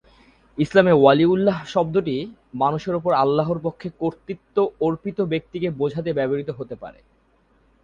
ইসলামে "ওয়ালিউল্লাহ" শব্দটি দ্বারা মানুষের ওপর আল্লাহর পক্ষে কর্তৃত্ব অর্পিত ব্যক্তিকে বোঝাতে ব্যবহৃত হতে পারে।